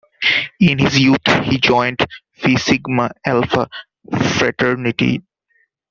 In his youth, he joined Fi Sigma Alfa Fraternity.